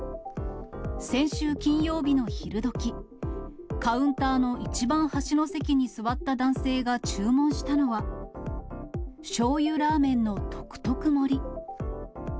先週金曜日の昼どき、カウンターの一番端の席に座った男性が注文したのは、しょうゆラーメンの特特盛。